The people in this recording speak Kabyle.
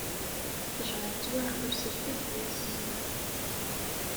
Ttejṛa tettwaɛqal s lfakya-s.